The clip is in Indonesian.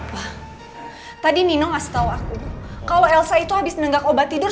wah tadi nino ngasih tahu aku kalau elsa itu habis nenggak obat tidur